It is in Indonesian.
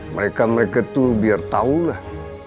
mereka mereka itu biar tahulah